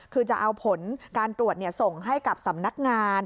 คือจะเอาผลการตรวจส่งให้กับสำนักงาน